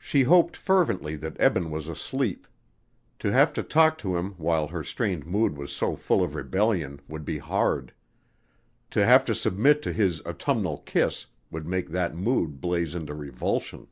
She hoped fervently that Eben was asleep. To have to talk to him while her strained mood was so full of rebellion would be hard; to have to submit to his autumnal kiss, would make that mood blaze into revulsion.